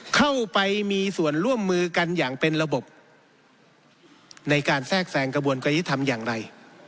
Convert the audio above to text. เข้าไปมีส่วนร่วมมือกันอย่างเป็นระบบในการแทรกแทรงกระบวนกระยุธรรมอย่างไร